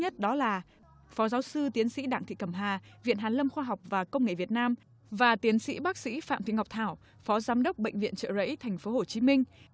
nhà khoa học nữ xuất sắc nhất đó là phó giáo sư tiến sĩ đảng thị cẩm hà viện hàn lâm khoa học và công nghệ việt nam và tiến sĩ bác sĩ phạm thị ngọc thảo phó giám đốc bệnh viện trợ rẫy tp hcm